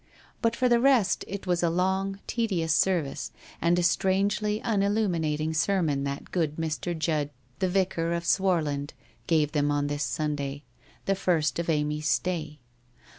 But for the rest, it was a long, tedious service, and a strangely unilluminating sermon that good Mr. Judd, the Vicar of Swarland, gave them on this Sunday, the first of Amy's stay.